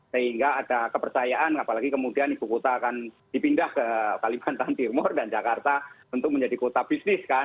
sehingga ada kepercayaan apalagi kemudian ibu kota akan dipindah ke kalimantan timur dan jakarta untuk menjadi kota bisnis kan